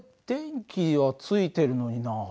電気はついてるのにな